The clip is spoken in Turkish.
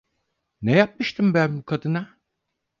Ne yapmıştım ben bu kadına?